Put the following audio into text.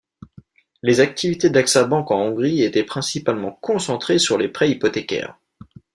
Les activités d’Axa Bank en Hongrie étaient principalement concentrées sur les prêts hypothécaires.